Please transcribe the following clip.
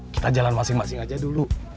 kita jalan masing masing aja dulu